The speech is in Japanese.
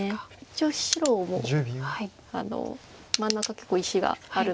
一応白も真ん中結構石があるので。